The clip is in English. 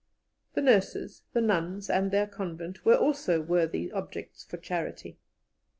The nurses, the nuns and their convent, were also worthy objects for charity.